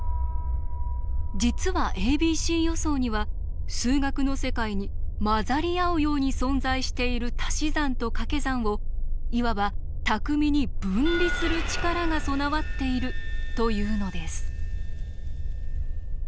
実はａｂｃ予想には数学の世界に混ざり合うように存在しているたし算とかけ算をいわば巧みに分離する力が備わっているというのです。